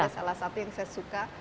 salah satu yang saya suka